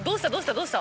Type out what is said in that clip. どうした？